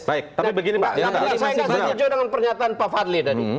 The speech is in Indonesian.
saya nggak setuju dengan pernyataan pak fadli tadi